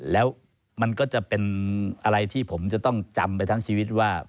แล้วมันก็จะเป็นอะไรที่ผมจะต้องจำไปทั้งชีวิตว่า